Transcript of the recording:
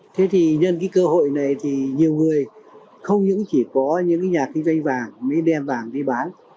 thế thì nhân cơ hội này thì nhiều người không chỉ có những nhà kinh doanh vàng mới đem vàng đi bán